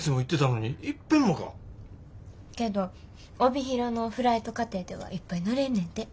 けど帯広のフライト課程ではいっぱい乗れんねんて。